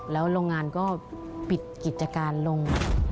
แล้วโรงงานก็ปิดกิจการลง